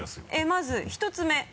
まず１つ目。